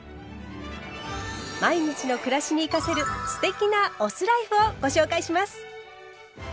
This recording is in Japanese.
毎日の暮らしに生かせる“酢テキ”なお酢ライフをご紹介します。